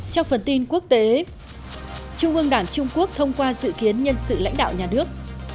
trong phần tin quốc tế trung ương đảng trung quốc thông qua dự kiến nhân sự lãnh đạo nhà nước